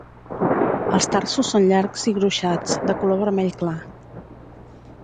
Els tarsos són llargs i gruixats, de color vermell clar.